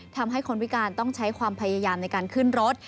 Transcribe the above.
ทำให้คนพิการต้องใช้ความพยายามในการขึ้นรถ